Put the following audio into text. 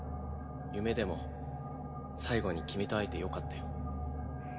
夢でも最後に君と会えてよかったよ。